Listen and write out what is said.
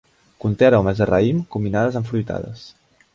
Conté aromes de raïm, combinades amb fruitades.